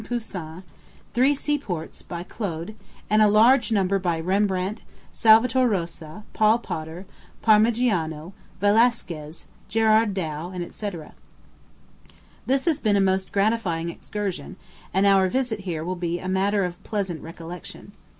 Poussin; three Seaports, by Claude; and a large number by Rembrandt, Salvator Rosa, Paul Potter, Parmegiano, Velasques, Gerard Dow, &c. This has been a most gratifying excursion, and our visit here will be a matter of pleasant recollection.